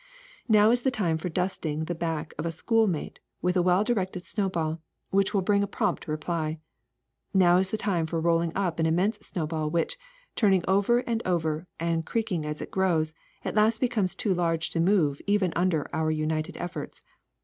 ^^ Now is the time for dusting the back of a school mate with a well directed snowball, which will bring a prompt reply. Now is the time for rolling up an immense snowball which, turning over and over and creaking as it grows, at last becomes too large to move even under our united efforts.